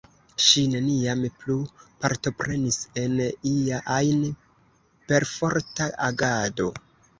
Ŝi neniam plu partoprenis en ia ajn perforta agado.